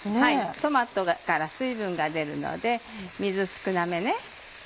トマトから水分が出るので水少なめね。